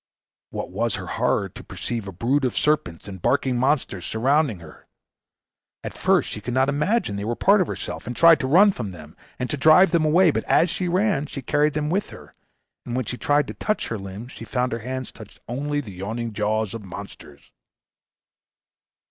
What was her horror to perceive a brood of serpents and barking monsters surrounding her! At first she could not imagine they were a part of herself, and tried to run from them, and to drive them away; but as she ran she carried them with her, and when she tried to touch her limbs, she found her hands touch only the yawning jaws of monsters.